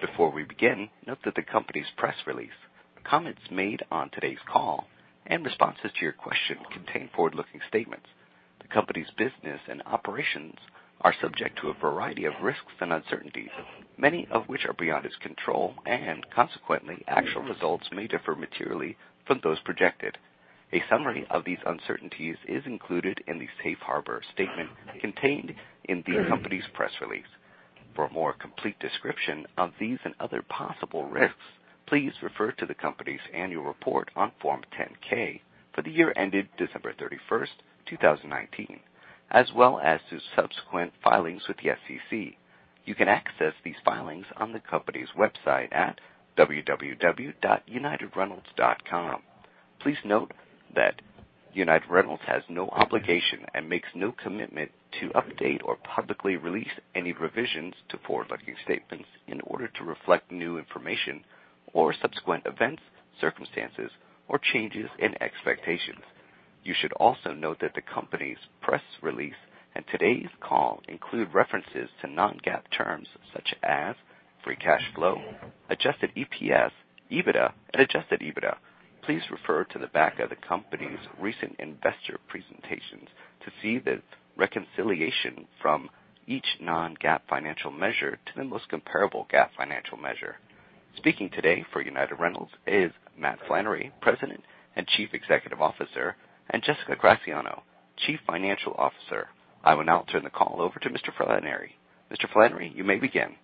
Before we begin, note that the company's press release, comments made on today's call, and responses to your questions contain forward-looking statements. The company's business and operations are subject to a variety of risks and uncertainties, many of which are beyond its control, and consequently, actual results may differ materially from those projected. A summary of these uncertainties is included in the safe harbor statement contained in the company's press release. For a more complete description of these and other possible risks, please refer to the company's annual report on Form 10-K for the year ended December 31st, 2019, as well as to subsequent filings with the SEC. You can access these filings on the company's website at www.unitedrentals.com. Please note that United Rentals has no obligation and makes no commitment to update or publicly release any revisions to forward-looking statements in order to reflect new information or subsequent events, circumstances, or changes in expectations. You should also note that the company's press release and today's call include references to non-GAAP terms such as free cash flow, adjusted EPS, EBITDA, and adjusted EBITDA. Please refer to the back of the company's recent investor presentations to see the reconciliation from each non-GAAP financial measure to the most comparable GAAP financial measure. Speaking today for United Rentals is Matt Flannery, President and Chief Executive Officer, and Jessica Graziano, Chief Financial Officer. I will now turn the call over to Mr. Flannery. Mr. Flannery, you may begin.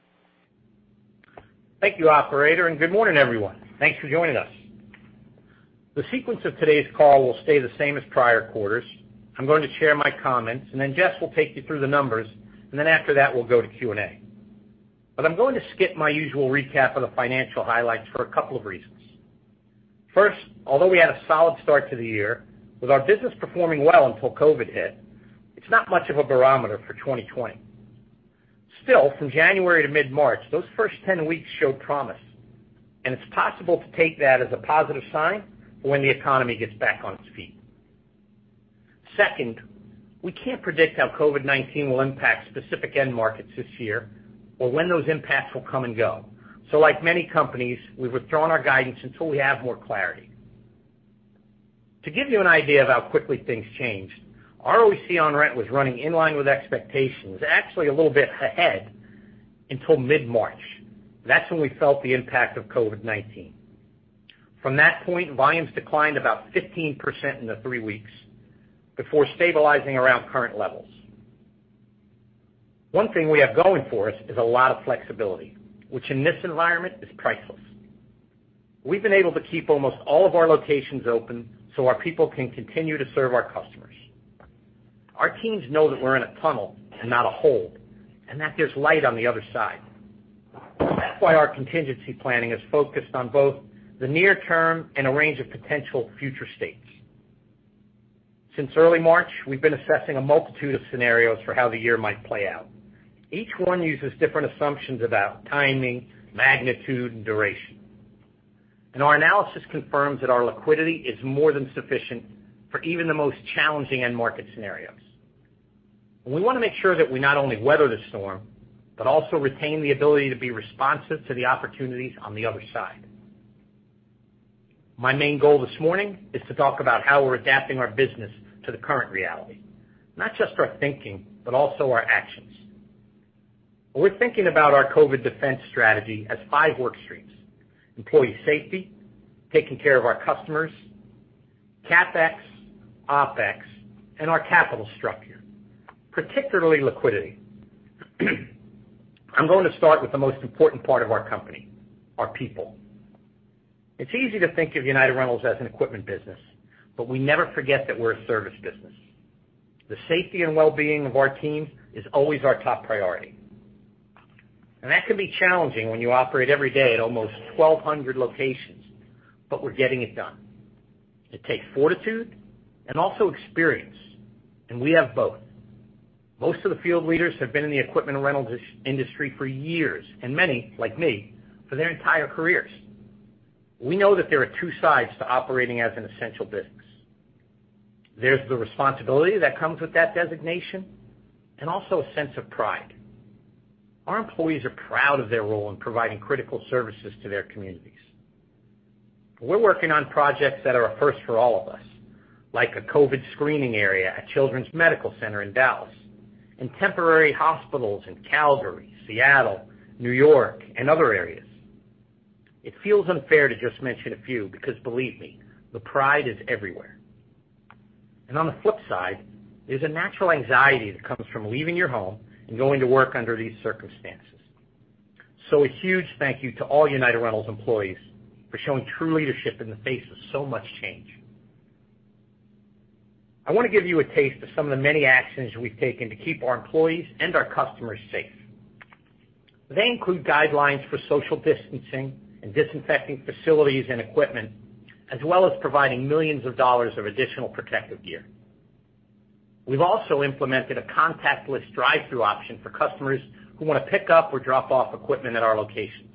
Thank you, operator, and good morning, everyone. Thanks for joining us. The sequence of today's call will stay the same as prior quarters. I'm going to share my comments, and then Jess will take you through the numbers, and then after that, we'll go to Q&A. I'm going to skip my usual recap of the financial highlights for a couple of reasons. First, although we had a solid start to the year, with our business performing well until COVID hit, it's not much of a barometer for 2020. Still, from January to mid-March, those first 10 weeks showed promise, and it's possible to take that as a positive sign for when the economy gets back on its feet. Second, we can't predict how COVID-19 will impact specific end markets this year or when those impacts will come and go. Like many companies, we've withdrawn our guidance until we have more clarity. To give you an idea of how quickly things changed, ROIC on rent was running in line with expectations, actually a little bit ahead, until mid-March. That's when we felt the impact of COVID-19. From that point, volumes declined about 15% in the three weeks before stabilizing around current levels. One thing we have going for us is a lot of flexibility, which in this environment is priceless. We've been able to keep almost all of our locations open so our people can continue to serve our customers. Our teams know that we're in a tunnel and not a hole, and that there's light on the other side. That's why our contingency planning is focused on both the near term and a range of potential future states. Since early March, we've been assessing a multitude of scenarios for how the year might play out. Each one uses different assumptions about timing, magnitude, and duration. Our analysis confirms that our liquidity is more than sufficient for even the most challenging end market scenarios. We want to make sure that we not only weather the storm but also retain the ability to be responsive to the opportunities on the other side. My main goal this morning is to talk about how we're adapting our business to the current reality, not just our thinking, but also our actions. We're thinking about our COVID defense strategy as five work streams, employee safety, taking care of our customers, CapEx, OpEx, and our capital structure, particularly liquidity. I'm going to start with the most important part of our company, our people. It's easy to think of United Rentals as an equipment business, but we never forget that we're a service business. The safety and well-being of our teams is always our top priority. That can be challenging when you operate every day at almost 1,200 locations, but we're getting it done. It takes fortitude and also experience, and we have both. Most of the field leaders have been in the equipment rental industry for years and many, like me, for their entire careers. We know that there are two sides to operating as an essential business. There's the responsibility that comes with that designation and also a sense of pride. Our employees are proud of their role in providing critical services to their communities. We're working on projects that are a first for all of us, like a COVID screening area at Children's Medical Center in Dallas and temporary hospitals in Calgary, Seattle, New York, and other areas. It feels unfair to just mention a few because believe me, the pride is everywhere. On the flip side, there's a natural anxiety that comes from leaving your home and going to work under these circumstances. A huge thank you to all United Rentals employees for showing true leadership in the face of so much change. I want to give you a taste of some of the many actions we've taken to keep our employees and our customers safe. They include guidelines for social distancing and disinfecting facilities and equipment, as well as providing millions of dollars of additional protective gear. We've also implemented a contactless drive-through option for customers who want to pick up or drop off equipment at our locations.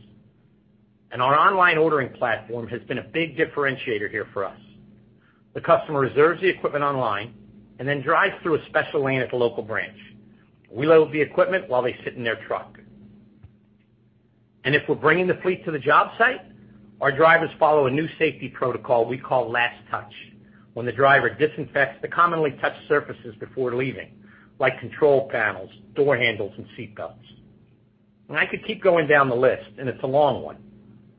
Our online ordering platform has been a big differentiator here for us. The customer reserves the equipment online and then drives through a special lane at the local branch. We load the equipment while they sit in their truck. If we're bringing the fleet to the job site, our drivers follow a new safety protocol we call Last Touch, when the driver disinfects the commonly touched surfaces before leaving, like control panels, door handles, and seat belts. I could keep going down the list and it's a long one,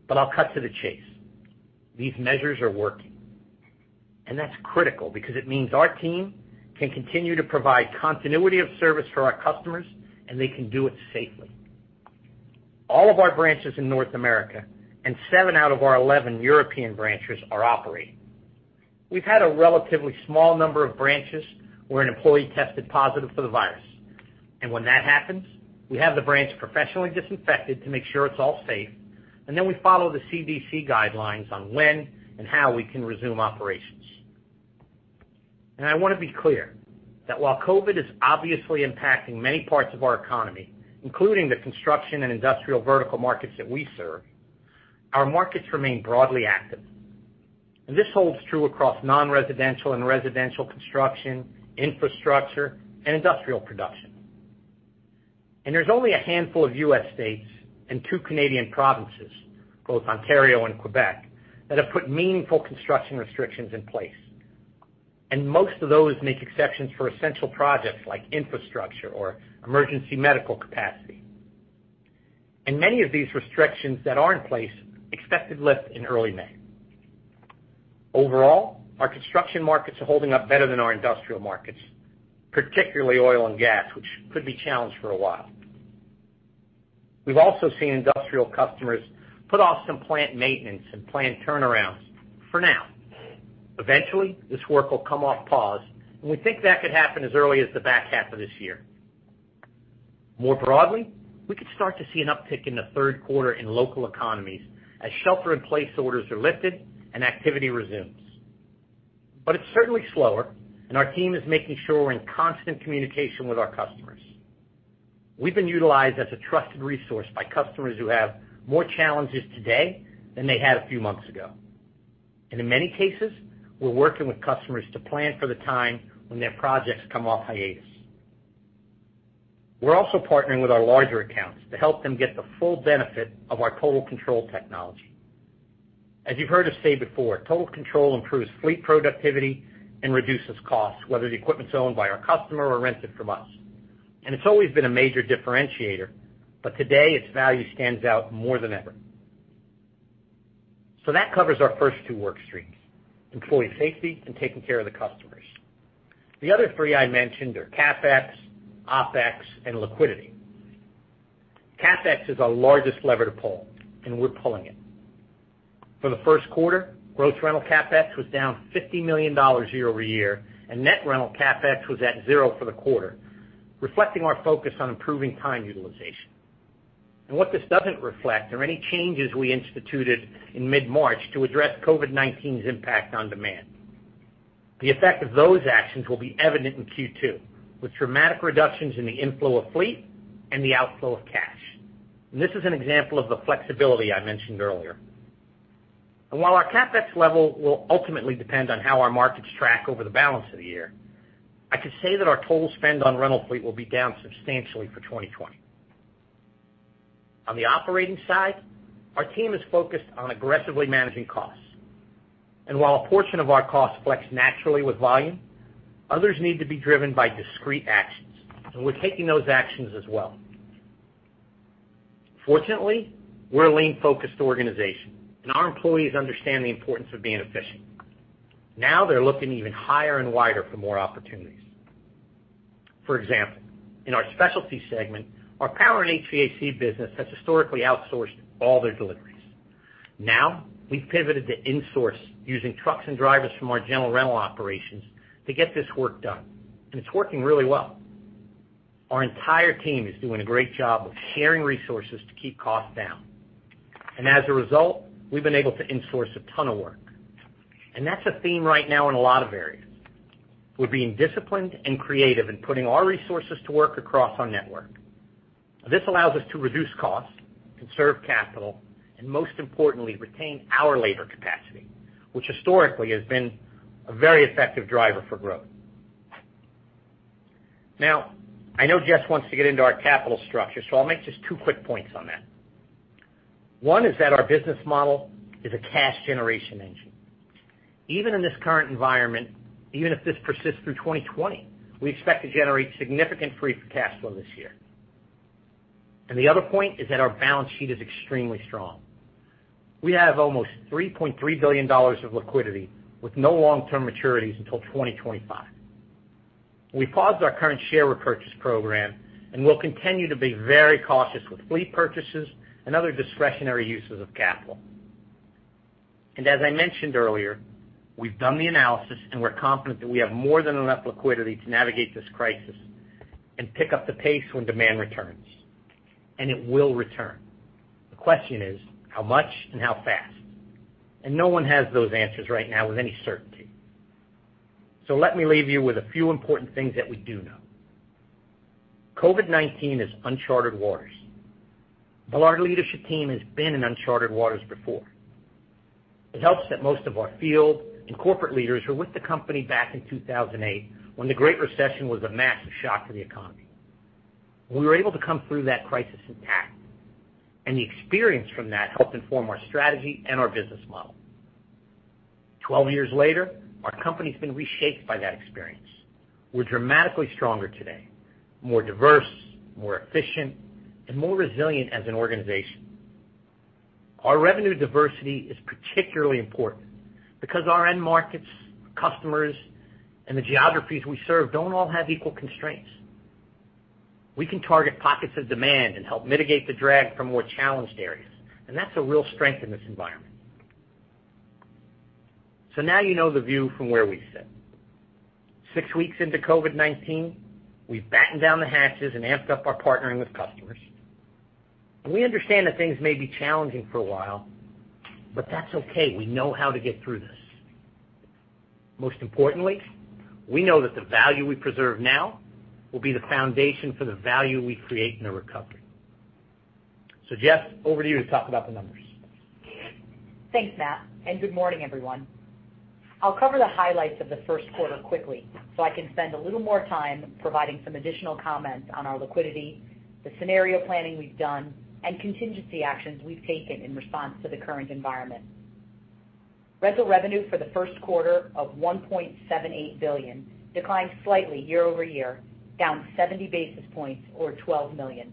but I'll cut to the chase. These measures are working. That's critical because it means our team can continue to provide continuity of service for our customers, and they can do it safely. All of our branches in North America and seven out of our 11 European branches are operating. We've had a relatively small number of branches where an employee tested positive for the virus. When that happens, we have the branch professionally disinfected to make sure it's all safe, and then we follow the CDC guidelines on when and how we can resume operations. I want to be clear that while COVID is obviously impacting many parts of our economy, including the construction and industrial vertical markets that we serve, our markets remain broadly active. This holds true across non-residential and residential construction, infrastructure, and industrial production. There's only a handful of U.S. states and two Canadian provinces, both Ontario and Quebec, that have put meaningful construction restrictions in place. Most of those make exceptions for essential projects like infrastructure or emergency medical capacity. Many of these restrictions that are in place expected lift in early May. Overall, our construction markets are holding up better than our industrial markets, particularly oil and gas, which could be challenged for a while. We've also seen industrial customers put off some plant maintenance and plant turnarounds for now. Eventually, this work will come off pause, and we think that could happen as early as the back half of this year. More broadly, we could start to see an uptick in the third quarter in local economies as shelter-in-place orders are lifted and activity resumes. It's certainly slower, and our team is making sure we're in constant communication with our customers. We've been utilized as a trusted resource by customers who have more challenges today than they had a few months ago. In many cases, we're working with customers to plan for the time when their projects come off hiatus. We're also partnering with our larger accounts to help them get the full benefit of our Total Control technology. As you've heard us say before, Total Control improves fleet productivity and reduces costs, whether the equipment's owned by our customer or rented from us. It's always been a major differentiator, but today its value stands out more than ever. That covers our first two work streams, employee safety and taking care of the customers. The other three I mentioned are CapEx, OpEx, and liquidity. CapEx is our largest lever to pull, and we're pulling it. For the first quarter, gross rental CapEx was down $50 million year-over-year, and net rental CapEx was at zero for the quarter, reflecting our focus on improving time utilization. What this doesn't reflect are any changes we instituted in mid-March to address COVID-19's impact on demand. The effect of those actions will be evident in Q2, with dramatic reductions in the inflow of fleet and the outflow of cash. This is an example of the flexibility I mentioned earlier. While our CapEx level will ultimately depend on how our markets track over the balance of the year, I can say that our total spend on rental fleet will be down substantially for 2020. On the operating side, our team is focused on aggressively managing costs. While a portion of our costs flex naturally with volume, others need to be driven by discrete actions. We're taking those actions as well. Fortunately, we're a lean, focused organization, and our employees understand the importance of being efficient. Now they're looking even higher and wider for more opportunities. For example, in our specialty segment, our power and HVAC business has historically outsourced all their deliveries. Now, we've pivoted to insource using trucks and drivers from our general rental operations to get this work done. It's working really well. Our entire team is doing a great job of sharing resources to keep costs down. As a result, we've been able to insource a ton of work. That's a theme right now in a lot of areas. We're being disciplined and creative in putting our resources to work across our network. This allows us to reduce costs, conserve capital, and most importantly, retain our labor capacity, which historically has been a very effective driver for growth. Now, I know Jess wants to get into our capital structure, I'll make just two quick points on that. One is that our business model is a cash generation engine. Even in this current environment, even if this persists through 2020, we expect to generate significant free cash flow this year. The other point is that our balance sheet is extremely strong. We have almost $3.3 billion of liquidity with no long-term maturities until 2025. We paused our current share repurchase program and will continue to be very cautious with fleet purchases and other discretionary uses of capital. As I mentioned earlier, we've done the analysis, and we're confident that we have more than enough liquidity to navigate this crisis and pick up the pace when demand returns, and it will return. The question is, how much and how fast? No one has those answers right now with any certainty. Let me leave you with a few important things that we do know. COVID-19 is unchartered waters. Our leadership team has been in unchartered waters before. It helps that most of our field and corporate leaders were with the company back in 2008, when the Great Recession was a massive shock to the economy. We were able to come through that crisis intact, and the experience from that helped inform our strategy and our business model. 12 years later, our company's been reshaped by that experience. We're dramatically stronger today, more diverse, more efficient, and more resilient as an organization. Our revenue diversity is particularly important because our end markets, customers, and the geographies we serve don't all have equal constraints. We can target pockets of demand and help mitigate the drag from more challenged areas, and that's a real strength in this environment. Now you know the view from where we sit. Six weeks into COVID-19, we've battened down the hatches and amped up our partnering with customers, and we understand that things may be challenging for a while, but that's okay. We know how to get through this. Most importantly, we know that the value we preserve now will be the foundation for the value we create in the recovery. Jess, over to you to talk about the numbers. Thanks, Matt, and good morning, everyone. I'll cover the highlights of the first quarter quickly so I can spend a little more time providing some additional comments on our liquidity, the scenario planning we've done, and contingency actions we've taken in response to the current environment. Rental revenue for the first quarter of $1.78 billion declined slightly year-over-year, down 70 basis points or $12 million.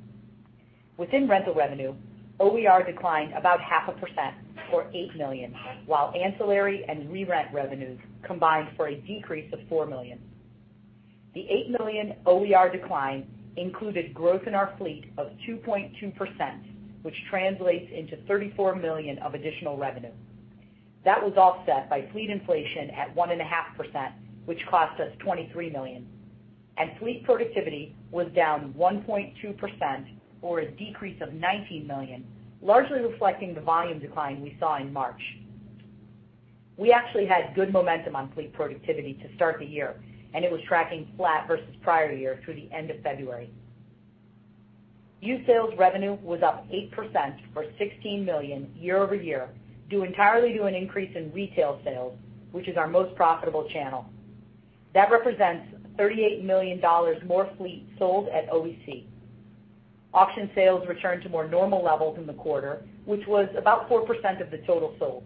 Within rental revenue, OER declined about 0.5% or $8 million, while ancillary and re-rent revenues combined for a decrease of $4 million. The $8 million OER decline included growth in our fleet of 2.2%, which translates into $34 million of additional revenue. That was offset by fleet inflation at 1.5%, which cost us $23 million, and fleet productivity was down 1.2%, or a decrease of $19 million, largely reflecting the volume decline we saw in March. We actually had good momentum on fleet productivity to start the year, and it was tracking flat versus prior year through the end of February. Used sales revenue was up 8%, or $16 million year-over-year, due entirely to an increase in retail sales, which is our most profitable channel. That represents $38 million more fleet sold at OEC. Auction sales returned to more normal levels in the quarter, which was about 4% of the total sold.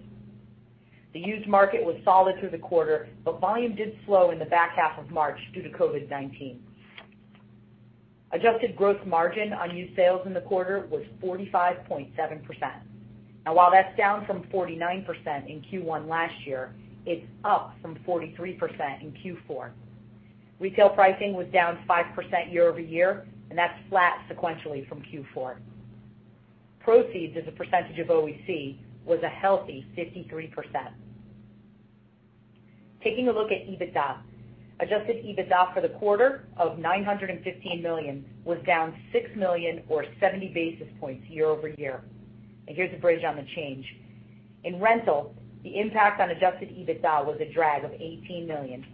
The used market was solid through the quarter, but volume did slow in the back half of March due to COVID-19. Adjusted gross margin on used sales in the quarter was 45.7%. Now while that's down from 49% in Q1 last year, it's up from 43% in Q4. Retail pricing was down 5% year-over-year, and that's flat sequentially from Q4. Proceeds as a percentage of OEC was a healthy 53%. Taking a look at EBITDA. Adjusted EBITDA for the quarter of $915 million was down $6 million or 70 basis points year-over-year. Here's the bridge on the change. In rental, the impact on adjusted EBITDA was a drag of $18 million.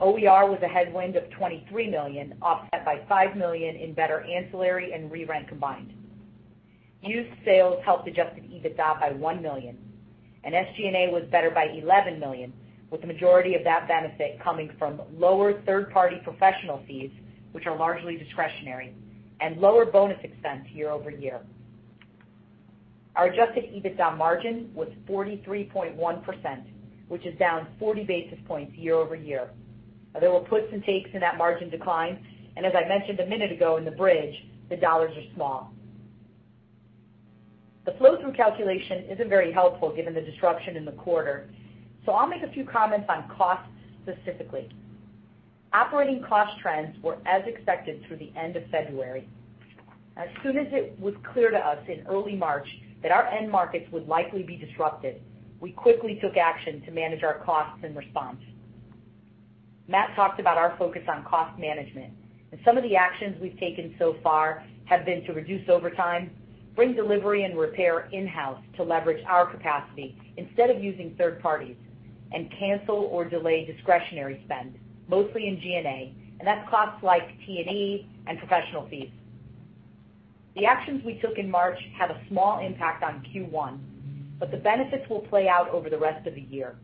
OER was a headwind of $23 million, offset by $5 million in better ancillary and re-rent combined. Used sales helped adjusted EBITDA by $1 million, SG&A was better by $11 million, with the majority of that benefit coming from lower third-party professional fees, which are largely discretionary, and lower bonus expense year-over-year. Our adjusted EBITDA margin was 43.1%, which is down 40 basis points year-over-year. There were puts and takes in that margin decline, and as I mentioned a minute ago in the bridge, the dollars are small. The flow-through calculation isn't very helpful given the disruption in the quarter, so I'll make a few comments on costs specifically. Operating cost trends were as expected through the end of February. As soon as it was clear to us in early March that our end markets would likely be disrupted, we quickly took action to manage our costs in response. Matt talked about our focus on cost management, and some of the actions we've taken so far have been to reduce overtime, bring delivery and repair in-house to leverage our capacity instead of using third parties, and cancel or delay discretionary spend, mostly in G&A, and that's costs like T&E and professional fees. The actions we took in March have a small impact on Q1, but the benefits will play out over the rest of the year.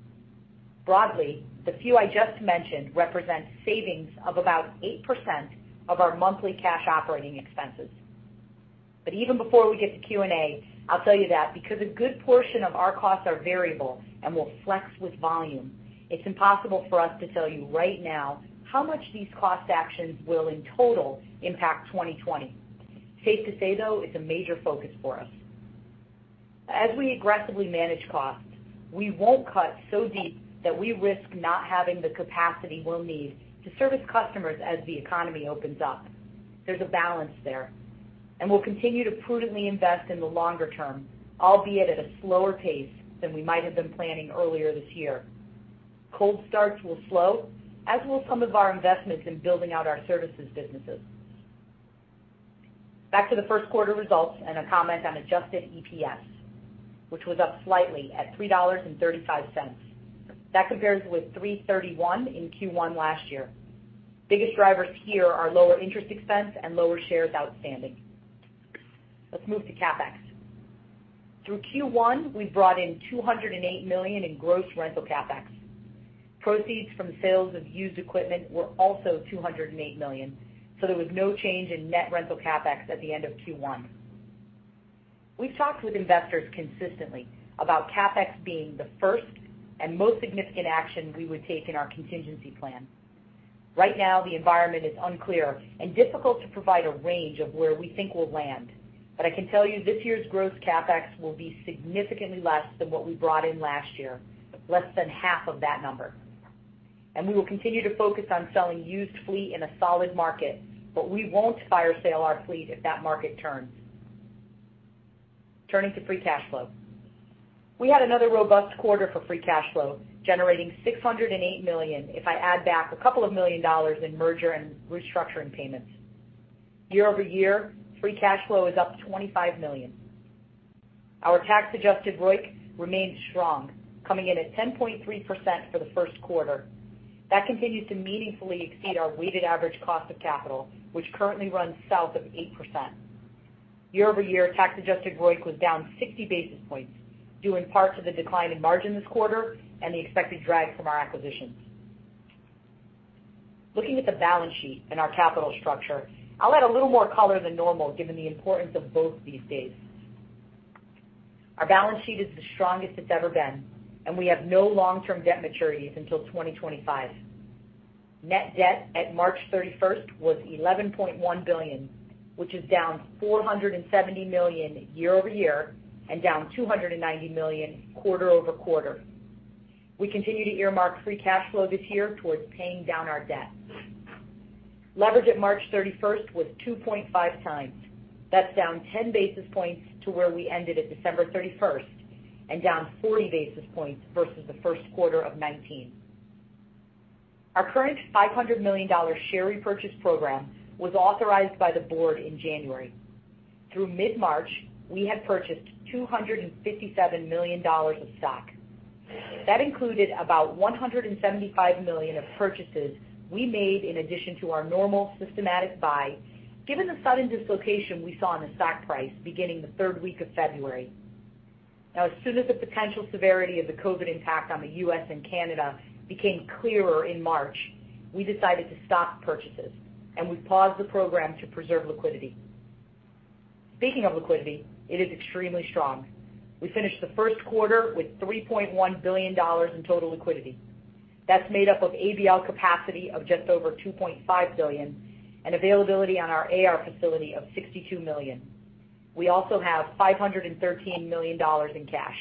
Broadly, the few I just mentioned represent savings of about 8% of our monthly cash operating expenses. Even before we get to Q&A, I'll tell you that because a good portion of our costs are variable and will flex with volume, it's impossible for us to tell you right now how much these cost actions will in total impact 2020. Safe to say, though, it's a major focus for us. As we aggressively manage costs, we won't cut so deep that we risk not having the capacity we'll need to service customers as the economy opens up. There's a balance there, and we'll continue to prudently invest in the longer term, albeit at a slower pace than we might have been planning earlier this year. Cold starts will slow, as will some of our investments in building out our services businesses. Back to the first quarter results and a comment on adjusted EPS, which was up slightly at $3.35. That compares with $3.31 in Q1 last year. Biggest drivers here are lower interest expense and lower shares outstanding. Let's move to CapEx. Through Q1, we brought in $208 million in gross rental CapEx. Proceeds from sales of used equipment were also $208 million. There was no change in net rental CapEx at the end of Q1. We've talked with investors consistently about CapEx being the first and most significant action we would take in our contingency plan. Right now, the environment is unclear and difficult to provide a range of where we think we'll land. I can tell you this year's gross CapEx will be significantly less than what we brought in last year, less than half of that number. We will continue to focus on selling used fleet in a solid market, but we won't fire sale our fleet if that market turns. Turning to free cash flow. We had another robust quarter for free cash flow, generating $608 million, if I add back a couple of million dollars in merger and restructuring payments. Year-over-year, free cash flow is up $25 million. Our tax-adjusted ROIC remained strong, coming in at 10.3% for the first quarter. That continues to meaningfully exceed our weighted average cost of capital, which currently runs south of 8%. Year-over-year, tax-adjusted ROIC was down 60 basis points, due in part to the decline in margin this quarter and the expected drag from our acquisitions. Looking at the balance sheet and our capital structure, I'll add a little more color than normal given the importance of both these days. Our balance sheet is the strongest it's ever been, and we have no long-term debt maturities until 2025. Net debt at March 31st was $11.1 billion, which is down $470 million year-over-year and down $290 million quarter-over-quarter. We continue to earmark free cash flow this year towards paying down our debt. Leverage at March 31st was 2.5x. That's down 10 basis points to where we ended at December 31st and down 40 basis points versus the first quarter of 2019. Our current $500 million share repurchase program was authorized by the board in January. Through mid-March, we had purchased $257 million of stock. That included about $175 million of purchases we made in addition to our normal systematic buy, given the sudden dislocation we saw in the stock price beginning the third week of February. As soon as the potential severity of the COVID-19 impact on the U.S. and Canada became clearer in March, we decided to stop purchases, and we paused the program to preserve liquidity. Speaking of liquidity, it is extremely strong. We finished the first quarter with $3.1 billion in total liquidity. That's made up of ABL capacity of just over $2.5 billion and availability on our AR facility of $62 million. We also have $513 million in cash.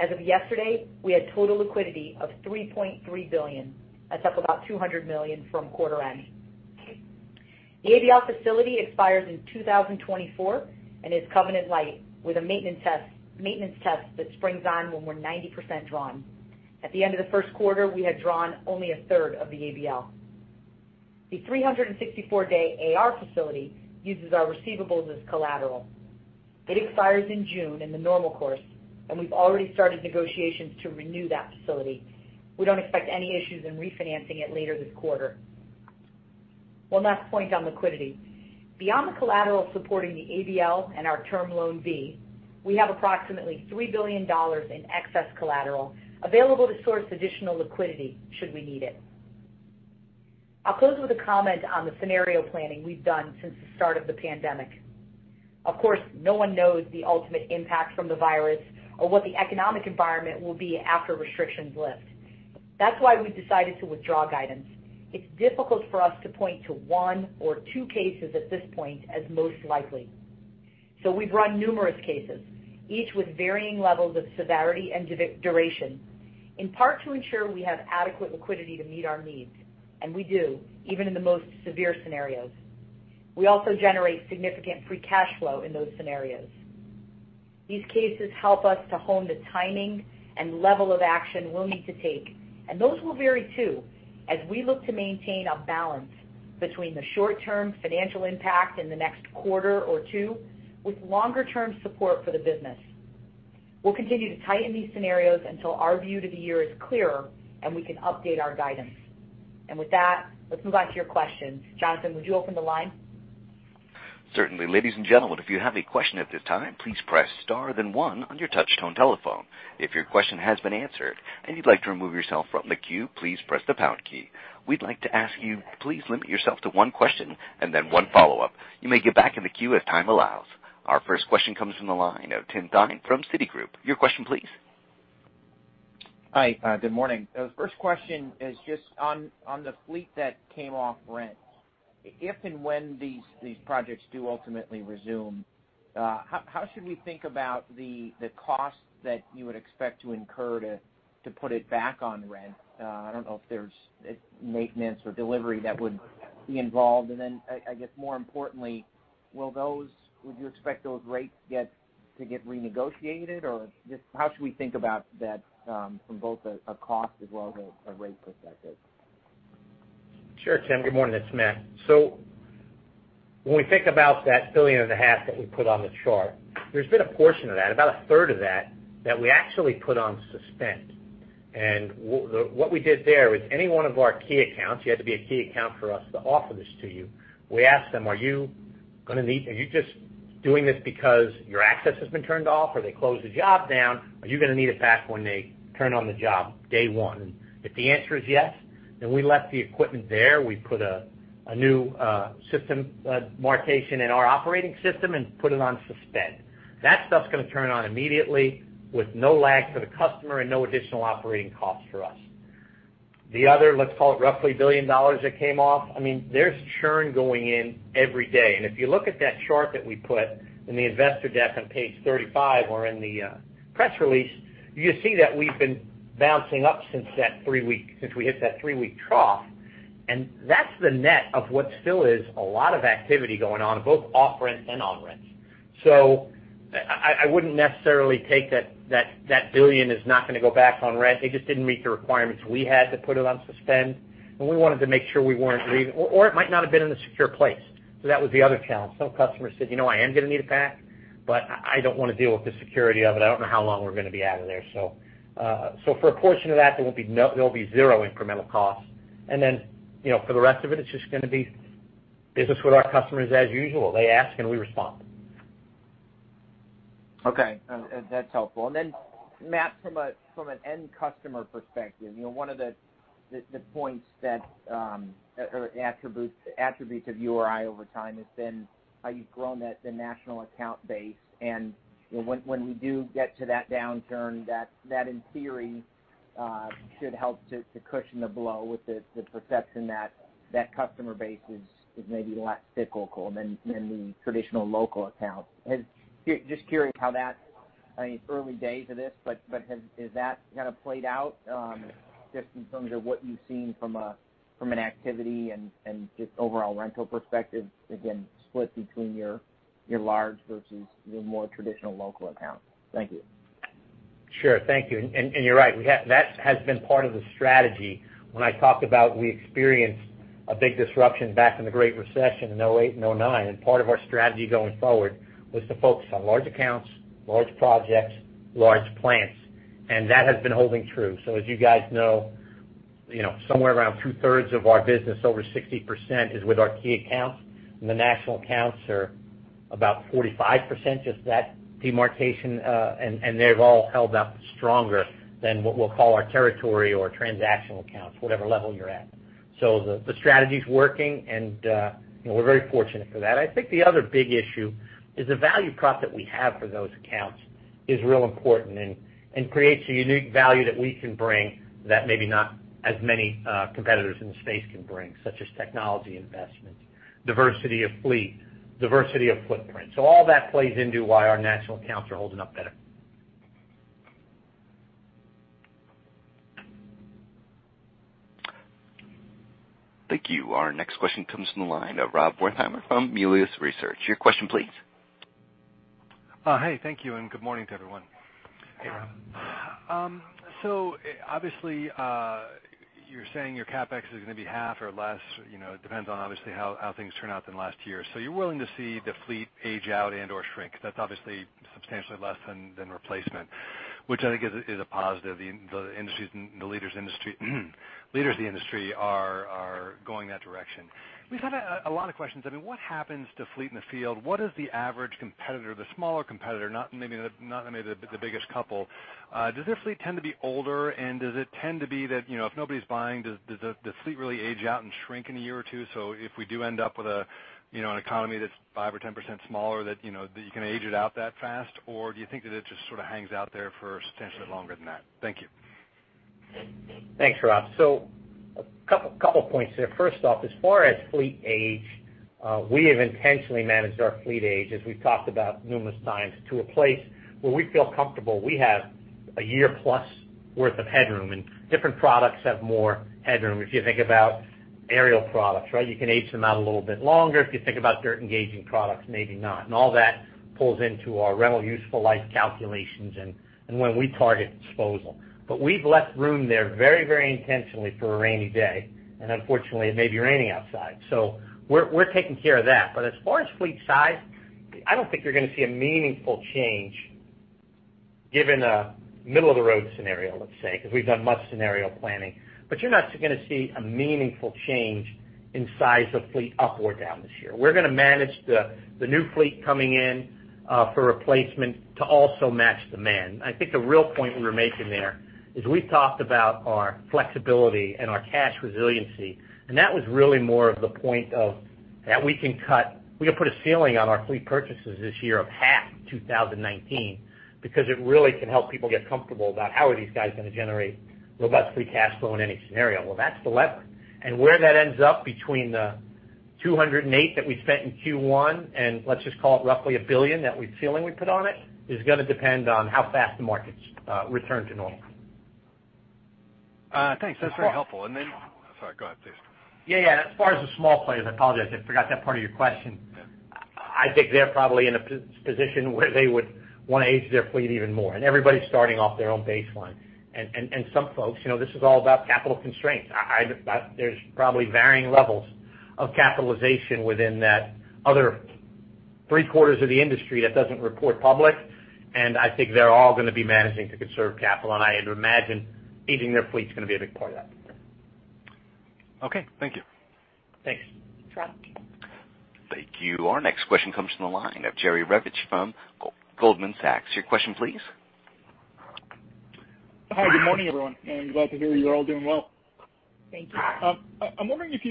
As of yesterday, we had total liquidity of $3.3 billion. That's up about $200 million from quarter end. The ABL facility expires in 2024 and is covenant-lite with a maintenance test that springs on when we're 90% drawn. At the end of the first quarter, we had drawn only 1/3 of the ABL. The 364-day AR facility uses our receivables as collateral. It expires in June in the normal course, and we've already started negotiations to renew that facility. We don't expect any issues in refinancing it later this quarter. One last point on liquidity. Beyond the collateral supporting the ABL and our Term Loan B, we have approximately $3 billion in excess collateral available to source additional liquidity should we need it. I'll close with a comment on the scenario planning we've done since the start of the pandemic. Of course, no one knows the ultimate impact from the virus or what the economic environment will be after restrictions lift. That's why we decided to withdraw guidance. It's difficult for us to point to one or two cases at this point as most likely. We've run numerous cases, each with varying levels of severity and duration, in part to ensure we have adequate liquidity to meet our needs, and we do, even in the most severe scenarios. We also generate significant free cash flow in those scenarios. These cases help us to hone the timing and level of action we'll need to take, and those will vary too as we look to maintain a balance between the short-term financial impact in the next quarter or two with longer-term support for the business. We'll continue to tighten these scenarios until our view to the year is clearer, and we can update our guidance. With that, let's move on to your questions. Jonathan, would you open the line? Certainly. Ladies and gentlemen, if you have a question at this time, please press star then one on your touch-tone telephone. If your question has been answered and you'd like to remove yourself from the queue, please press the pound key. We'd like to ask you, please limit yourself to one question and then one follow-up. You may get back in the queue as time allows. Our first question comes from the line of [Tim Thein] from [Citigroup]. Your question, please. Hi. Good morning. First question is just on the fleet that came off rent. If and when these projects do ultimately resume, how should we think about the cost that you would expect to incur to put it back on rent? I don't know if there's maintenance or delivery that would be involved. I guess more importantly, would you expect those rates to get renegotiated, or how should we think about that from both a cost as well as a rate perspective? Sure, Tim. Good morning. It's Matt. When we think about that [$1.5 billion] That we put on the chart, there's been a portion of that, about a third of that we actually put on suspend. What we did there is any one of our key accounts, you had to be a key account for us to offer this to you, we asked them, "Are you just doing this because your access has been turned off, or they closed the job down? Are you going to need it back when they turn on the job, day one?" If the answer is yes, we left the equipment there. We put a new system demarcation in our operating system and put it on suspend. That stuff's going to turn on immediately with no lag for the customer and no additional operating cost for us. The other, let's call it roughly $1 billion that came off. There's churn going in every day. If you look at that chart that we put in the investor deck on page 35 or in the press release, you see that we've been bouncing up since we hit that three-week trough. That's the net of what still is a lot of activity going on, both off-rent and on-rent. I wouldn't necessarily take that billion is not going to go back on rent. It just didn't meet the requirements we had to put it on suspend, and we wanted to make sure we weren't or it might not have been in a secure place. That was the other challenge. Some customers said, "You know, I am going to need it back, but I don't want to deal with the security of it. I don't know how long we're going to be out of there. For a portion of that, there will be zero incremental cost. Then, for the rest of it's just going to be business with our customers as usual. They ask, and we respond. Okay. That's helpful. Matt, from an end customer perspective, one of the points or attributes of URI over time has been how you've grown the national account base. When we do get to that downturn, that in theory should help to cushion the blow with the perception that that customer base is maybe less cyclical than the traditional local account. Just curious how that, I mean, early days of this, but has that kind of played out, just in terms of what you've seen from an activity and just overall rental perspective, again, split between your large versus your more traditional local accounts. Thank you. Sure. Thank you. You're right. That has been part of the strategy. When I talked about we experienced a big disruption back in the Great Recession in 2008 and 2009, part of our strategy going forward was to focus on large accounts, large projects, large plants, and that has been holding true. As you guys know, somewhere around two-thirds of our business, over 60%, is with our key accounts, the national accounts are about 45%, just that demarcation, and they've all held up stronger than what we'll call our territory or transactional accounts, whatever level you're at. The strategy's working, and we're very fortunate for that. I think the other big issue is the value prop that we have for those accounts is real important and creates a unique value that we can bring that maybe not as many competitors in the space can bring, such as technology investments, diversity of fleet, diversity of footprint. All that plays into why our national accounts are holding up better. Thank you. Our next question comes from the line of Rob Wertheimer from Melius Research. Your question please. Hey, thank you, and good morning to everyone. Hey, Rob. Obviously, you're saying your CapEx is going to be half or less. It depends on obviously how things turn out than last year. You're willing to see the fleet age out and/or shrink. That's obviously substantially less than replacement, which I think is a positive. The leaders of the industry are going that direction. We've had a lot of questions. I mean, what happens to fleet in the field? What is the average competitor, the smaller competitor, not maybe the biggest couple. Does their fleet tend to be older, and does it tend to be that if nobody's buying, does the fleet really age out and shrink in a year or two? If we do end up with an economy that's 5% or 10% smaller that you can age it out that fast, or do you think that it just sort of hangs out there for substantially longer than that? Thank you. Thanks, Rob. A couple points there. First off, as far as fleet age, we have intentionally managed our fleet age, as we've talked about numerous times, to a place where we feel comfortable. We have a year-plus worth of headroom, and different products have more headroom. If you think about aerial products, right, you can age them out a little bit longer. If you think about dirt engaging products, maybe not. All that pulls into our rental useful life calculations and when we target disposal. We've left room there very intentionally for a rainy day, and unfortunately, it may be raining outside. We're taking care of that. As far as fleet size, I don't think you're going to see a meaningful change given a middle-of-the-road scenario, let's say, because we've done much scenario planning. You're not going to see a meaningful change in size of fleet up or down this year. We're going to manage the new fleet coming in for replacement to also match demand. I think the real point we were making there is we've talked about our flexibility and our cash resiliency, and that was really more of the point of that we can put a ceiling on our fleet purchases this year of half 2019 because it really can help people get comfortable about how are these guys going to generate robust free cash flow in any scenario. Well, that's the lever. Where that ends up between the $208 that we spent in Q1 and let's just call it roughly $1 billion, that ceiling we put on it, is going to depend on how fast the markets return to normal. Thanks. That's very helpful. Sorry, go ahead, please. Yeah. As far as the small players, I apologize, I forgot that part of your question. I think they're probably in a position where they would want to age their fleet even more. Everybody's starting off their own baseline. Some folks, this is all about capital constraints. There's probably varying levels of capitalization within that other three-quarters of the industry that doesn't report public, and I think they're all going to be managing to conserve capital, and I would imagine aging their fleet is going to be a big part of that. Okay. Thank you. Thanks. Thank you. Thank you. Our next question comes from the line of Jerry Revich from Goldman Sachs. Your question, please. Hi. Good morning, everyone. I'm glad to hear you're all doing well. Thank you. I'm wondering if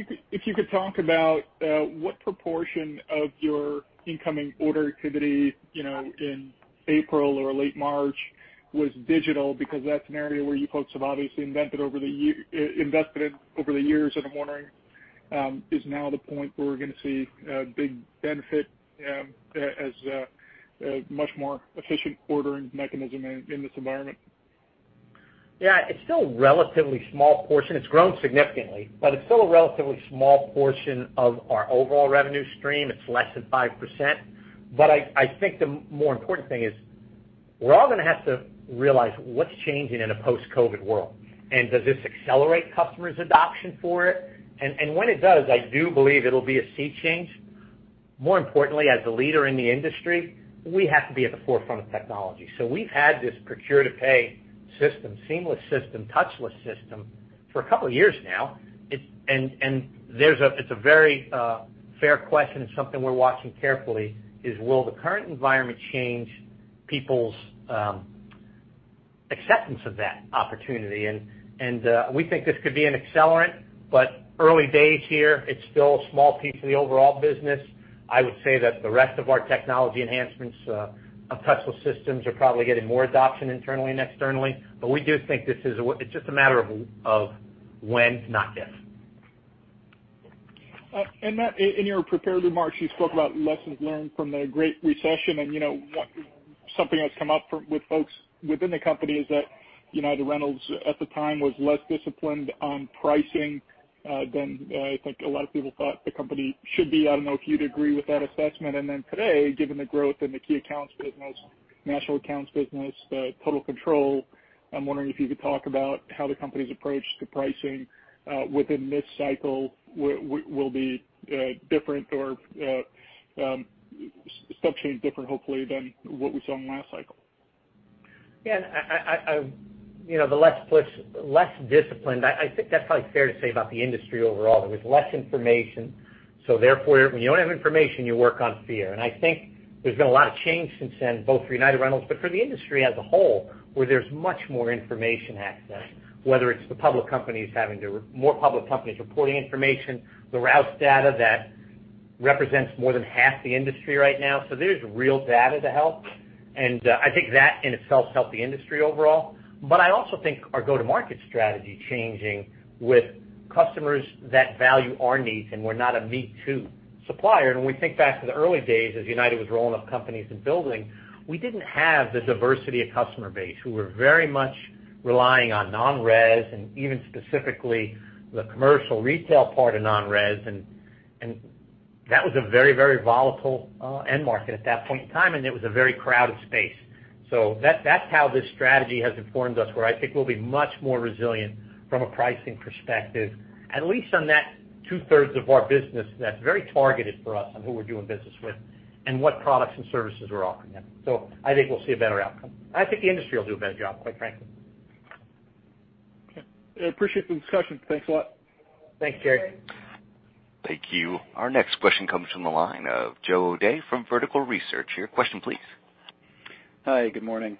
you could talk about what proportion of your incoming order activity in April or late March was digital, because that's an area where you folks have obviously invested in over the years, and I'm wondering, is now the point where we're going to see a big benefit as a much more efficient ordering mechanism in this environment? Yeah. It's still a relatively small portion. It's grown significantly, but it's still a relatively small portion of our overall revenue stream. It's less than 5%. I think the more important thing is we're all going to have to realize what's changing in a post-COVID world, and does this accelerate customers' adoption for it? When it does, I do believe it'll be a sea change. More importantly, as the leader in the industry, we have to be at the forefront of technology. We've had this procure-to-pay system, seamless system, touchless system for a couple of years now. It's a very fair question. It's something we're watching carefully, is will the current environment change people's acceptance of that opportunity? We think this could be an accelerant, but early days here. It's still a small piece of the overall business. I would say that the rest of our technology enhancements of touchless systems are probably getting more adoption internally and externally. We do think it's just a matter of when, not if. Matt, in your prepared remarks, you spoke about lessons learned from the Great Recession, and something that's come up with folks within the company is that United Rentals at the time was less disciplined on pricing than I think a lot of people thought the company should be. I don't know if you'd agree with that assessment. Today, given the growth in the key accounts business, national accounts business, Total Control, I'm wondering if you could talk about how the company's approach to pricing within this cycle will be different or substantially different, hopefully, than what we saw in the last cycle. Yeah. The less disciplined, I think that's probably fair to say about the industry overall. There was less information, so therefore, when you don't have information, you work on fear. I think there's been a lot of change since then, both for United Rentals, but for the industry as a whole, where there's much more information access, whether it's more public companies reporting information, the Rouse data that represents more than half the industry right now. There's real data to help, I think that in itself helped the industry overall. I also think our go-to-market strategy changing with customers that value our needs and we're not a me too supplier. When we think back to the early days as United was rolling up companies and building, we didn't have the diversity of customer base who were very much relying on non-res and even specifically the commercial retail part of non-res. That was a very, very volatile end market at that point in time, and it was a very crowded space. That's how this strategy has informed us, where I think we'll be much more resilient from a pricing perspective, at least on that two-thirds of our business that's very targeted for us on who we're doing business with and what products and services we're offering them. I think we'll see a better outcome. I think the industry will do a better job, quite frankly. Okay. I appreciate the discussion. Thanks a lot. Thanks, Jerry. Thank you. Our next question comes from the line of [Joe O'Dea] from Vertical Research. Your question, please. Hi. Good morning.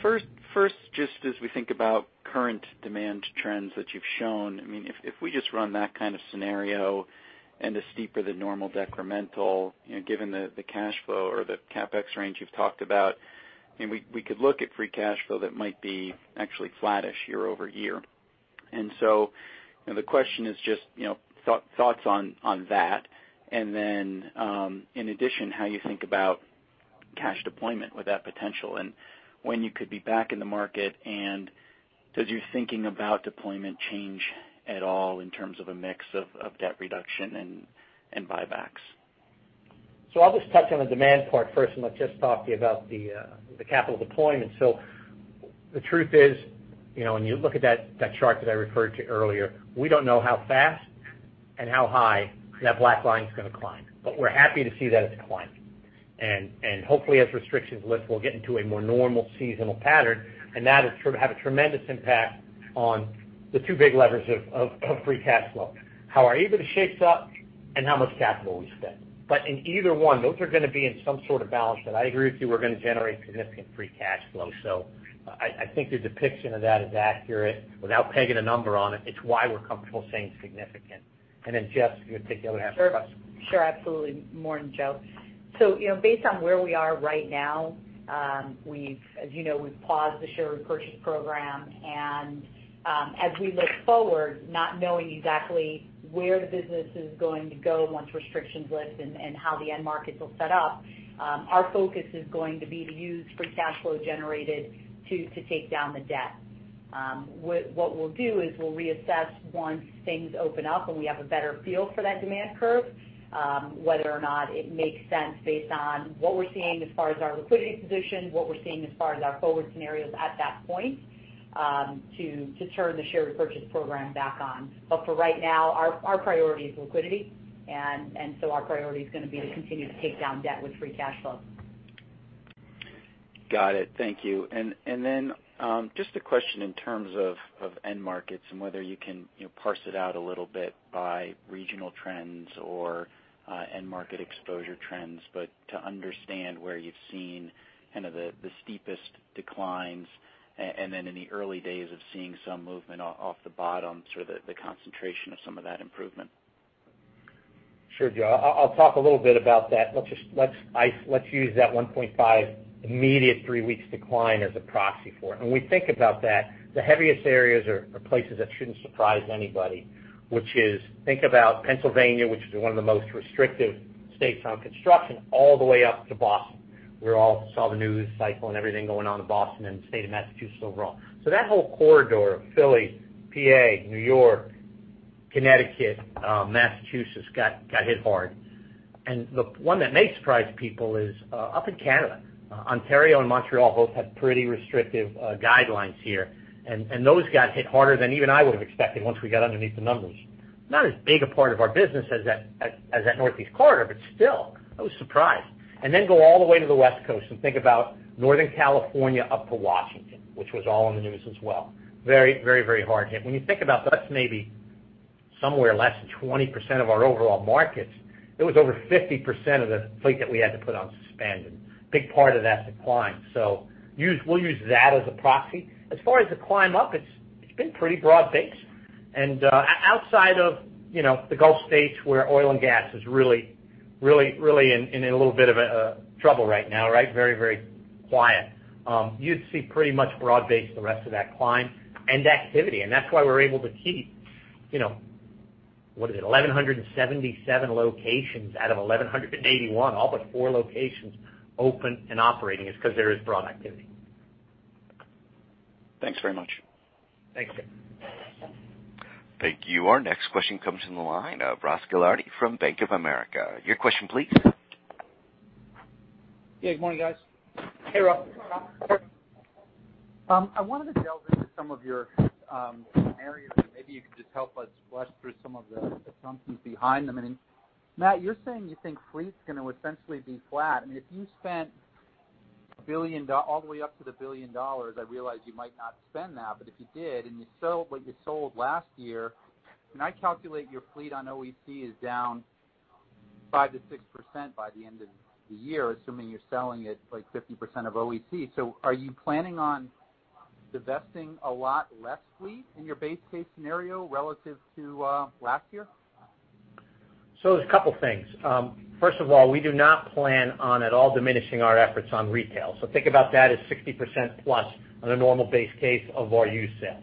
First, just as we think about current demand trends that you've shown, if we just run that kind of scenario and a steeper than normal decremental, given the cash flow or the CapEx range you've talked about, and we could look at free cash flow that might be actually flattish year-over-year. The question is just thoughts on that. In addition, how you think about cash deployment with that potential, and when you could be back in the market, and does your thinking about deployment change at all in terms of a mix of debt reduction and buybacks? I'll just touch on the demand part first, and let Jess talk to you about the capital deployment. The truth is, when you look at that chart that I referred to earlier, we don't know how fast and how high that black line's going to climb. We're happy to see that it's climbing. Hopefully as restrictions lift, we'll get into a more normal seasonal pattern, and that will have a tremendous impact on the two big levers of free cash flow. How we are able to shape up and how much capital we spend. In either one, those are going to be in some sort of balance that I agree with you, we're going to generate significant free cash flow. I think your depiction of that is accurate. Without pegging a number on it's why we're comfortable saying significant. Jess's going to take the other half of it. Sure. Absolutely. Morning, Joe. Based on where we are right now, as you know, we've paused the share repurchase program, and as we look forward, not knowing exactly where the business is going to go once restrictions lift and how the end markets will set up, our focus is going to be to use free cash flow generated to take down the debt. What we'll do is we'll reassess once things open up and we have a better feel for that demand curve, whether or not it makes sense based on what we're seeing as far as our liquidity position, what we're seeing as far as our forward scenarios at that point, to turn the share repurchase program back on. For right now, our priority is liquidity, and so our priority is going to be to continue to take down debt with free cash flow. Got it. Thank you. Just a question in terms of end markets and whether you can parse it out a little bit by regional trends or end market exposure trends, but to understand where you've seen kind of the steepest declines, and then in the early days of seeing some movement off the bottom, sort of the concentration of some of that improvement. Sure, Joe. I'll talk a little bit about that. Let's use that 1.5 immediate three weeks decline as a proxy for it. When we think about that, the heaviest areas are places that shouldn't surprise anybody, which is, think about Pennsylvania, which is one of the most restrictive states on construction, all the way up to Boston, where all saw the news cycle and everything going on in Boston and the state of Massachusetts overall. That whole corridor of Philly, P.A., New York, Connecticut, Massachusetts got hit hard. The one that may surprise people is up in Canada. Ontario and [Montreal] both have pretty restrictive guidelines here, and those got hit harder than even I would've expected once we got underneath the numbers. Not as big a part of our business as that Northeast Corridor, but still, I was surprised. Go all the way to the West Coast and think about Northern California up to Washington, which was all in the news as well. Very hard hit. When you think about that's maybe somewhere less than 20% of our overall markets, it was over 50% of the fleet that we had to put on suspended. Big part of that decline. We'll use that as a proxy. As far as the climb up, it's been pretty broad-based. Outside of the Gulf states where oil and gas is really in a little bit of trouble right now. Very quiet. You'd see pretty much broad-based the rest of that climb and activity, and that's why we're able to keep, what is it, 1,177 locations out of 1,181 locations, all but four locations open and operating is because there is broad activity. Thanks very much. Thanks. Thank you. Our next question comes from the line of Ross Gilardi from Bank of America. Your question please. Yeah. Good morning, guys. Hey, Ross. I wanted to delve into some of your scenarios, maybe you could just help us flush through some of the assumptions behind them. Matt, you're saying you think fleet's going to essentially be flat. I mean, if you spent all the way up to the $1 billion, I realize you might not spend that, but if you did, and you sold what you sold last year, I calculate your fleet on OEC is down 5%-6% by the end of the year, assuming you're selling it like 50% of OEC. Are you planning on divesting a lot less fleet in your base case scenario relative to last year? There's a couple things. First of all, we do not plan on at all diminishing our efforts on retail. Think about that as 60%+ on a normal base case of our used sales.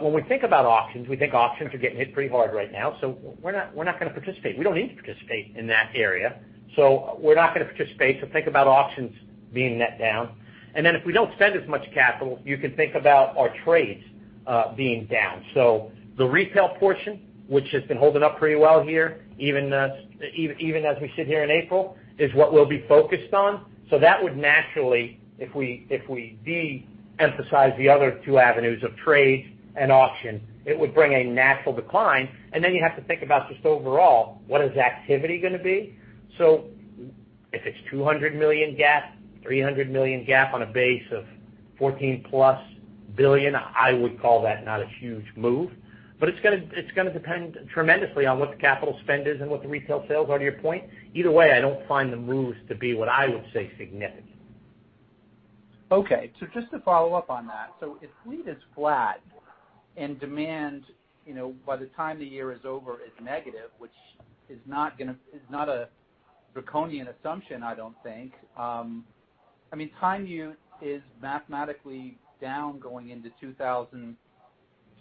When we think about auctions, we think auctions are getting hit pretty hard right now, so we're not going to participate. We don't need to participate in that area. We're not going to participate, so think about auctions being net down. Then if we don't spend as much capital, you could think about our trades being down. The retail portion, which has been holding up pretty well here, even as we sit here in April, is what we'll be focused on. That would naturally, if we de-emphasize the other two avenues of trade and auction, it would bring a natural decline, and then you have to think about just overall, what is activity going to be? If it's $200 million gap, $300 million gap on a base of $14 billion+, I would call that not a huge move. It's going to depend tremendously on what the capital spend is and what the retail sales are, to your point. Either way, I don't find the moves to be what I would say significant. Okay, just to follow up on that. If fleet is flat and demand, by the time the year is over, is negative, which is not a Draconian assumption, I don't think. I mean, time U is mathematically down going into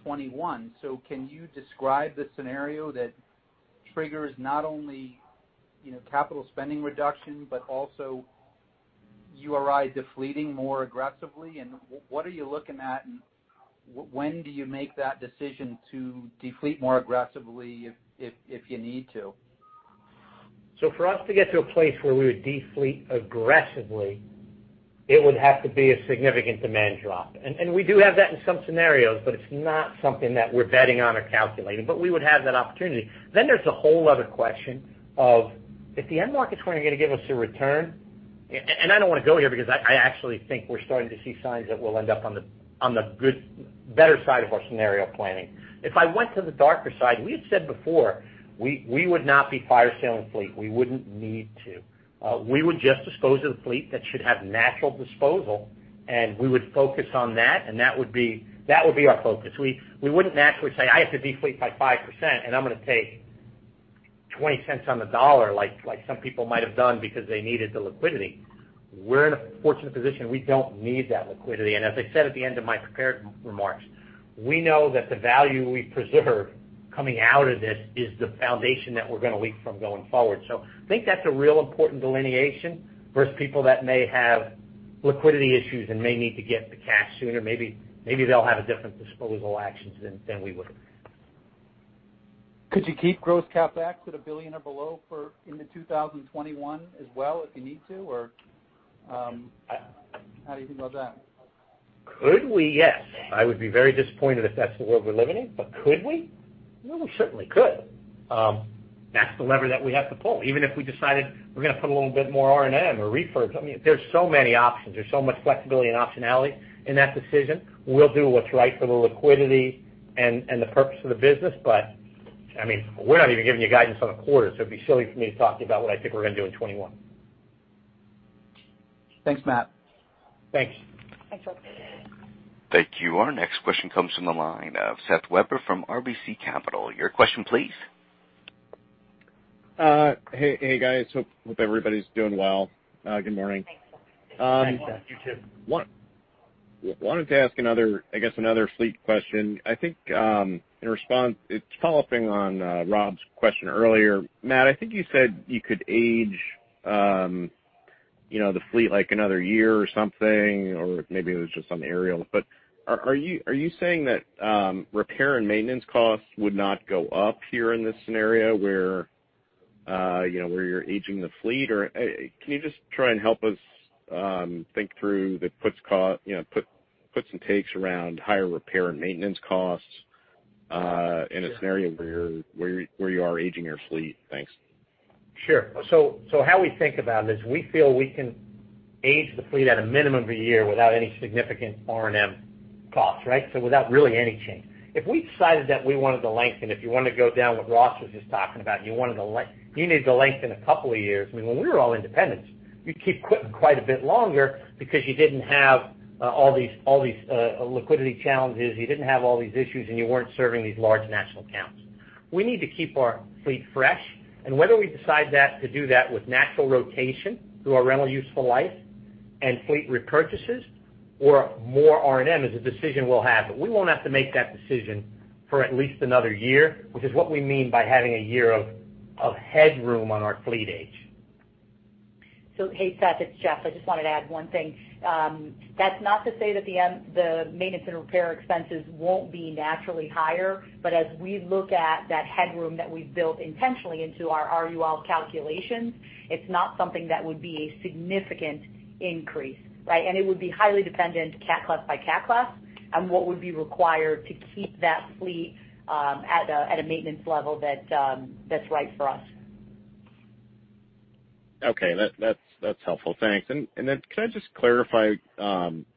2021. Can you describe the scenario that triggers not only capital spending reduction, but also URI defleeting more aggressively? And what are you looking at, and when do you make that decision to defleete more aggressively if you need to? For us to get to a place where we would defleet aggressively, it would have to be a significant demand drop. We do have that in some scenarios, but it's not something that we're betting on or calculating, but we would have that opportunity. There's a whole other question of if the end markets weren't going to give us a return, and I don't want to go here because I actually think we're starting to see signs that we'll end up on the better side of our scenario planning. If I went to the darker side, we had said before, we would not be fire selling fleet. We wouldn't need to. We would just dispose of the fleet that should have natural disposal, and we would focus on that, and that would be our focus. We wouldn't naturally say, "I have to defleet by 5%, and I'm going to take $0.20 on the dollar," like some people might have done because they needed the liquidity. We're in a fortunate position. We don't need that liquidity. As I said at the end of my prepared remarks, we know that the value we preserve coming out of this is the foundation that we're going to leap from going forward. I think that's a real important delineation versus people that may have liquidity issues and may need to get the cash sooner. Maybe they'll have different disposal actions than we would. Could you keep gross CapEx at $1 billion or below into 2021 as well if you need to? How do you feel about that? Could we? Yes. I would be very disappointed if that's the world we're living in, but could we? We certainly could. That's the lever that we have to pull. Even if we decided we're going to put a little bit more R&M or refurb. There's so many options. There's so much flexibility and optionality in that decision. We'll do what's right for the liquidity and the purpose of the business, but we're not even giving you guidance on a quarter, so it'd be silly for me to talk to you about what I think we're going to do in 2021. Thanks, Matt. Thanks. Thanks, Ross. Thank you. Our next question comes from the line of Seth Weber from RBC Capital. Your question, please. Hey, guys. Hope everybody's doing well. Good morning. Thanks, Seth. You too. Wanted to ask, I guess, another fleet question. I think, in response, it's following up on Rob's question earlier. Matt, I think you said you could age the fleet like another year or something, or maybe it was just on the aerials. Are you saying that repair and maintenance costs would not go up here in this scenario where you're aging the fleet? Can you just try and help us think through the puts and takes around higher repair and maintenance costs in a scenario where you are aging your fleet? Thanks. How we think about it is we feel we can age the fleet at a minimum of a year without any significant R&M cost, right? Without really any change. If we decided that we wanted to lengthen, if you wanted to go down what Ross was just talking about, you needed to lengthen a couple of years. I mean, when we were all independents, you'd keep equipment quite a bit longer because you didn't have all these liquidity challenges, you didn't have all these issues, and you weren't serving these large national accounts. We need to keep our fleet fresh, and whether we decide to do that with natural rotation through our rental useful life and fleet repurchases or more R&M is a decision we'll have. We won't have to make that decision for at least another year, which is what we mean by having a year of headroom on our fleet age. Hey, Seth, it's Jess. I just wanted to add one thing. That's not to say that the maintenance and repair expenses won't be naturally higher, as we look at that headroom that we've built intentionally into our RUL calculations, it's not something that would be a significant increase, right? It would be highly dependent cat class by cat class on what would be required to keep that fleet at a maintenance level that's right for us. Okay. That's helpful. Thanks. Then could I just clarify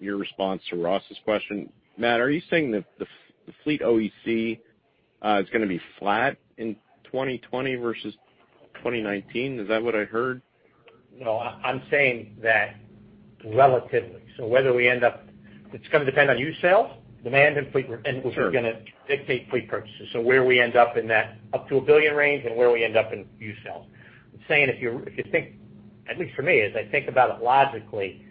your response to Ross's question? Matt, are you saying that the fleet OEC is going to be flat in 2020 versus 2019? Is that what I heard? No, I'm saying that relatively. It's going to depend on used sales, demand and fleet, and which are going to dictate fleet purchases. Where we end up in that up to a $1 billion range and where we end up in used sales, I'm saying, at least for me, as I think about it logically,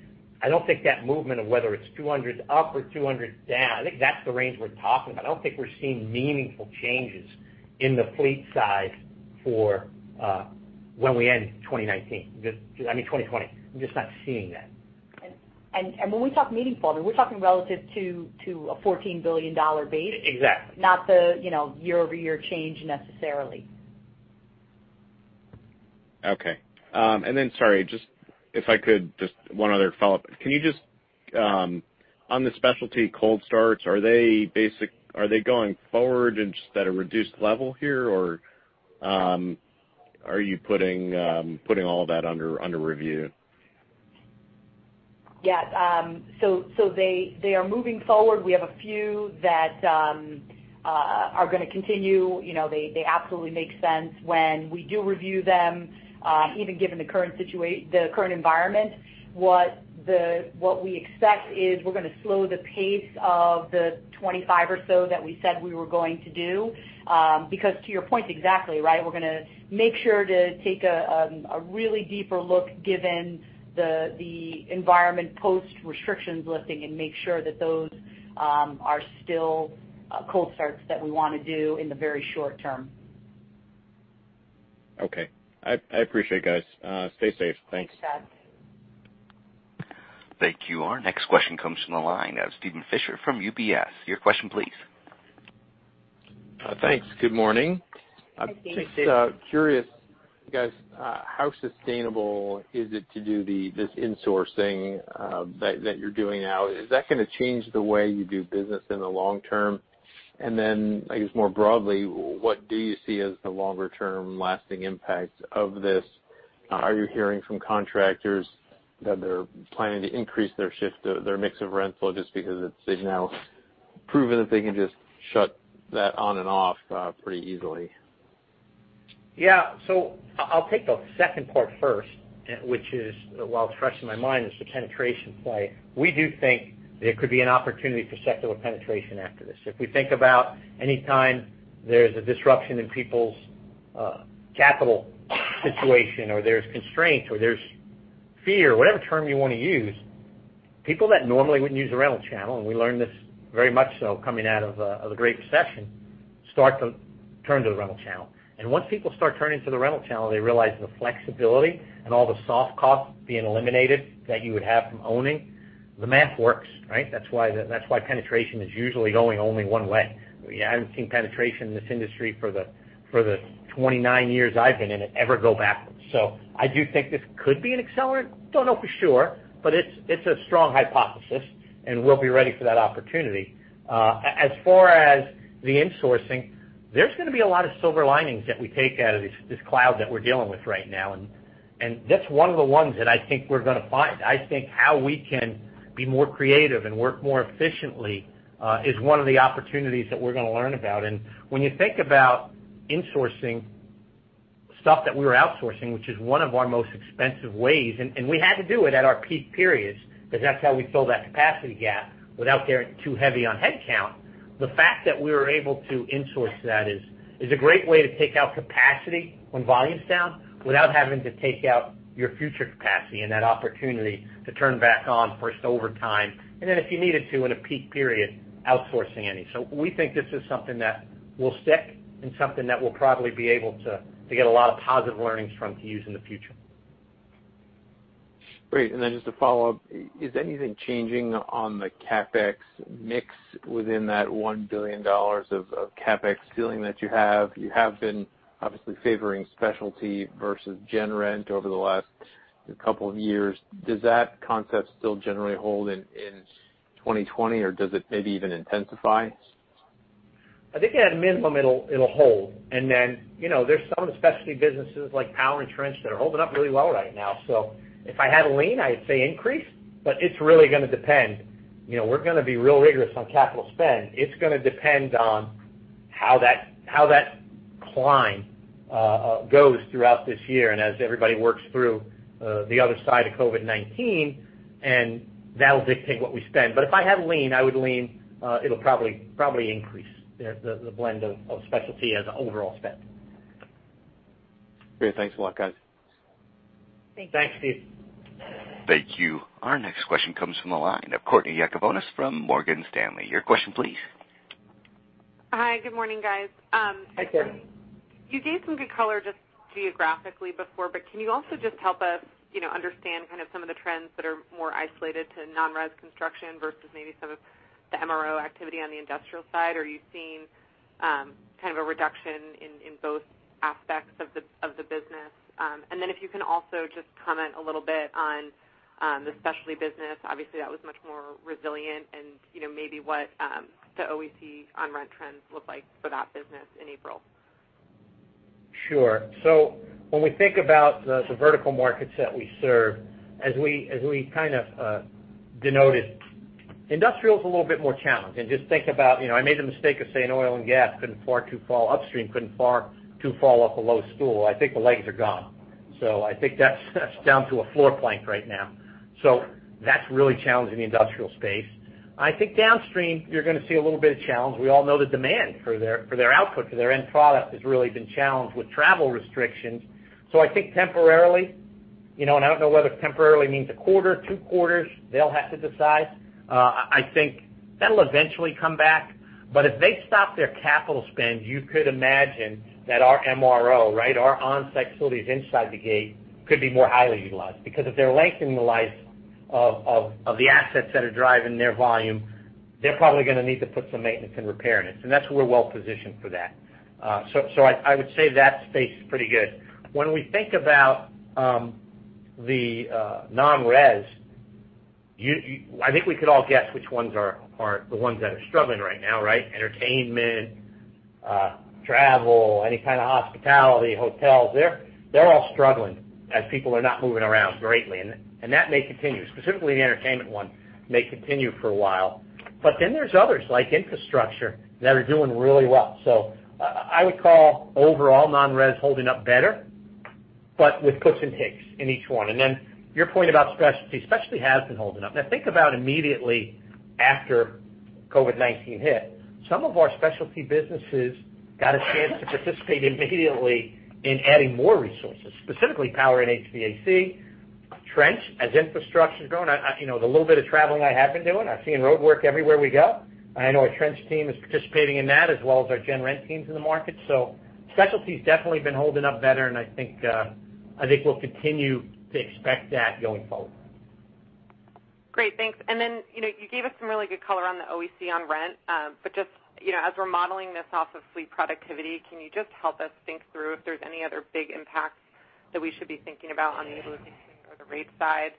I don't think that movement of whether it's $200 million up or $200 million down, I think that's the range we're talking about. I don't think we're seeing meaningful changes in the fleet side for when we end 2019. I mean 2020. I'm just not seeing that. When we talk meaningful, we're talking relative to a $14 billion base. Exactly. Not the year-over-year change necessarily. Okay. Sorry, if I could, just one other follow-up. On the specialty cold starts, are they going forward just at a reduced level here, or are you putting all that under review? Yeah. They are moving forward. We have a few that are going to continue. They absolutely make sense when we do review them. Even given the current environment, what we expect is we're going to slow the pace of the [25%] or so that we said we were going to do. To your point exactly, right, we're going to make sure to take a really deeper look given the environment post restrictions lifting and make sure that those are still cold starts that we want to do in the very short term. Okay. I appreciate it, guys. Stay safe. Thanks. Thanks, Seth. Thank you. Our next question comes from the line of Steven Fisher from UBS. Your question, please. Thanks. Good morning. Hi, Steven. Just curious, guys, how sustainable is it to do this insourcing that you're doing now? Is that going to change the way you do business in the long term? I guess more broadly, what do you see as the longer-term lasting impact of this? Are you hearing from contractors that they're planning to increase their mix of rental just because they've now proven that they can just shut that on and off pretty easily? Yeah. I'll take the second part first, which is, while fresh in my mind, is the penetration play. We do think there could be an opportunity for secular penetration after this. If we think about any time there's a disruption in people's capital situation or there's constraint or there's fear, whatever term you want to use. People that normally wouldn't use the rental channel, and we learned this very much so coming out of the Great Recession, start to turn to the rental channel. Once people start turning to the rental channel, they realize the flexibility and all the soft costs being eliminated that you would have from owning. The math works. That's why penetration is usually going only one way. I haven't seen penetration in this industry for the 29 years I've been in it ever go backwards. I do think this could be an accelerant. Don't know for sure, but it's a strong hypothesis, and we'll be ready for that opportunity. As far as the insourcing, there's going to be a lot of silver linings that we take out of this cloud that we're dealing with right now, and that's one of the ones that I think we're going to find. I think how we can be more creative and work more efficiently is one of the opportunities that we're going to learn about. When you think about insourcing stuff that we were outsourcing, which is one of our most expensive ways, and we had to do it at our peak periods because that's how we fill that capacity gap without getting too heavy on headcount. The fact that we were able to insource that is a great way to take out capacity when volume's down without having to take out your future capacity and that opportunity to turn back on first overtime, and then if you needed to in a peak period, outsourcing any. We think this is something that will stick and something that we'll probably be able to get a lot of positive learnings from to use in the future. Great. Just a follow-up. Is anything changing on the CapEx mix within that $1 billion of CapEx ceiling that you have? You have been obviously favoring specialty versus gen rent over the last couple of years. Does that concept still generally hold in 2020, or does it maybe even intensify? I think at a minimum it'll hold. Then there's some specialty businesses like power and trench that are holding up really well right now. If I had a lean, I'd say increase, but it's really going to depend. We're going to be real rigorous on capital spend. It's going to depend on how that climb goes throughout this year and as everybody works through the other side of COVID-19, and that'll dictate what we spend. If I had a lean, I would lean it'll probably increase the blend of specialty as overall spend. Great. Thanks a lot, guys. Thanks, Steve. Thank you. Our next question comes from the line of Courtney Yakavonis from Morgan Stanley. Your question please. Hi. Good morning, guys. Hi, Courtney. You gave some good color just geographically before, but can you also just help us understand kind of some of the trends that are more isolated to non-res construction versus maybe some of the MRO activity on the industrial side? Are you seeing kind of a reduction in both aspects of the business? If you can also just comment a little bit on the specialty business. Obviously, that was much more resilient and maybe what the OEC on rent trends look like for that business in April. Sure. When we think about the vertical markets that we serve, as we kind of denoted, industrial is a little bit more challenged. Just think about I made the mistake of saying oil and gas upstream couldn't far too fall off a low stool. I think the legs are gone. I think that's down to a floor plank right now. That's really challenging the industrial space. I think downstream, you're going to see a little bit of challenge. We all know the demand for their output, for their end product has really been challenged with travel restrictions. I think temporarily, and I don't know whether temporarily means a quarter, two quarters, they'll have to decide. I think that'll eventually come back. If they stop their capital spend, you could imagine that our MRO, our onsite facilities inside the gate could be more highly utilized because if they're lengthening the life of the assets that are driving their volume, they're probably going to need to put some maintenance and repair in it. That's where we're well positioned for that. I would say that space is pretty good. When we think about the non-res, I think we could all guess which ones are the ones that are struggling right now. Entertainment, travel, any kind of hospitality, hotels. They're all struggling as people are not moving around greatly, and that may continue. Specifically the entertainment one may continue for a while. There's others like infrastructure that are doing really well. I would call overall non-res holding up better, but with puts and takes in each one. Then your point about specialty. Specialty has been holding up. Think about immediately after COVID-19 hit. Some of our specialty businesses got a chance to participate immediately in adding more resources, specifically power and HVAC, trench as infrastructure's grown. The little bit of traveling I have been doing, I've seen roadwork everywhere we go. I know our trench team is participating in that as well as our gen rent teams in the market. Specialty's definitely been holding up better, and I think we'll continue to expect that going forward. Great, thanks. You gave us some really good color on the OEC on rent. Just as we're modeling this off of fleet productivity, can you just help us think through if there's any other big impacts that we should be thinking about on the or the rate side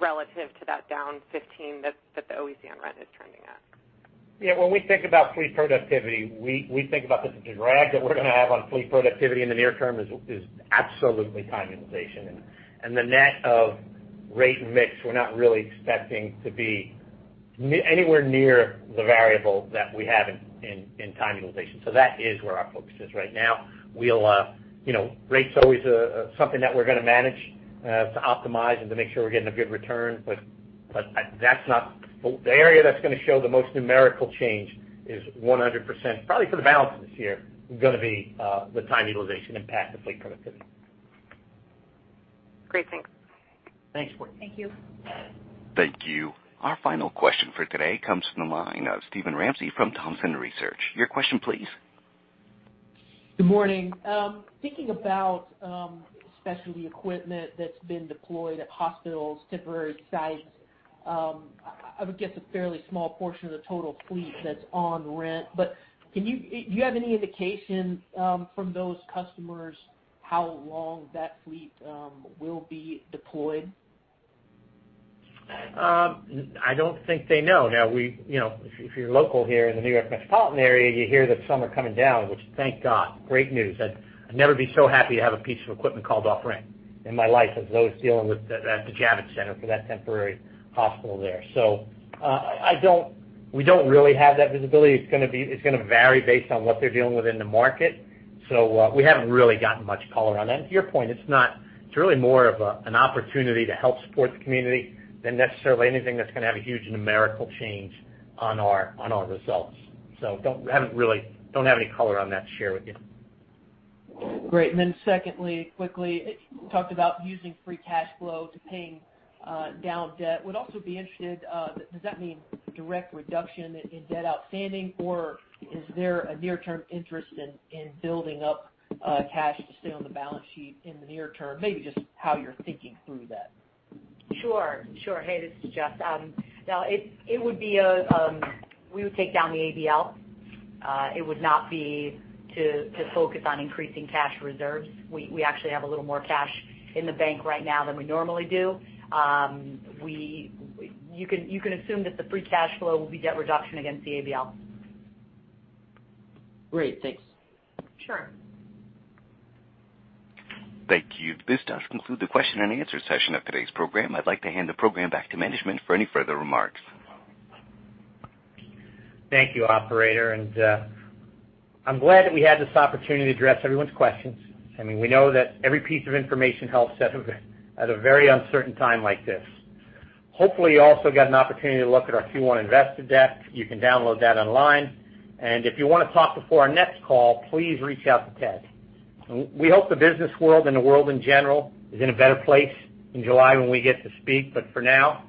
relative to that down 15% that the OEC on rent is trending at? When we think about fleet productivity, we think about the drag that we're going to have on fleet productivity in the near term is absolutely time utilization. The net of rate and mix, we're not really expecting to be anywhere near the variable that we have in time utilization. That is where our focus is right now. Rate's always something that we're going to manage to optimize and to make sure we're getting a good return. The area that's going to show the most numerical change is 100%, probably for the balance of this year, is going to be the time utilization impact to fleet productivity. Great. Thanks. Thanks, Courtney. Thank you. Thank you. Our final question for today comes from the line of Steven Ramsey from Thompson Research. Your question, please. Good morning. Thinking about specialty equipment that's been deployed at hospitals, temporary sites, I would guess a fairly small portion of the total fleet that's on rent. Do you have any indication from those customers how long that fleet will be deployed? I don't think they know. If you're local here in the New York metropolitan area, you hear that some are coming down, which thank God, great news. I'd never be so happy to have a piece of equipment called off rent in my life as those dealing with the Javits Center for that temporary hospital there. We don't really have that visibility. It's going to vary based on what they're dealing with in the market. We haven't really gotten much color on that. To your point, it's really more of an opportunity to help support the community than necessarily anything that's going to have a huge numerical change on our results. Don't have any color on that to share with you. Great. Secondly, quickly, talked about using free cash flow to paying down debt. Would also be interested, does that mean direct reduction in debt outstanding, or is there a near-term interest in building up cash to stay on the balance sheet in the near term? Maybe just how you're thinking through that? Sure. Hey, this is Jess. No, we would take down the ABL. It would not be to focus on increasing cash reserves. We actually have a little more cash in the bank right now than we normally do. You can assume that the free cash flow will be debt reduction against the ABL. Great. Thanks. Sure. Thank you. This does conclude the question and answer session of today's program. I'd like to hand the program back to management for any further remarks. Thank you, operator. I'm glad that we had this opportunity to address everyone's questions. We know that every piece of information helps at a very uncertain time like this. Hopefully, you also got an opportunity to look at our Q1 investor deck. You can download that online. If you want to talk before our next call, please reach out to Ted. We hope the business world and the world in general is in a better place in July when we get to speak. For now,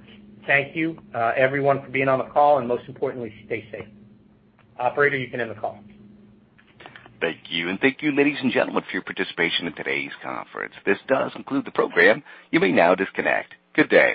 thank you everyone for being on the call, and most importantly, stay safe. Operator, you can end the call. Thank you. Thank you, ladies and gentlemen, for your participation in today's conference. This does conclude the program. You may now disconnect. Good day.